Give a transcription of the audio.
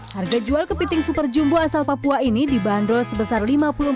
harga jual kepiting super jumbo asal papua ini dibanderol sebesar lima puluh empat lima ratus rupiah per ounce